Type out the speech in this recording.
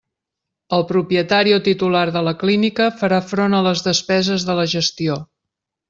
El propietari o titular de la clínica farà front a les despeses de la gestió.